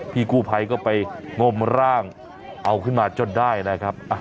พี่กู้ภัยก็ไปงมร่างเอาขึ้นมาจนได้นะครับ